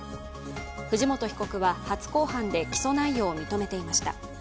藤本被告は初公判で起訴内容を認めていました。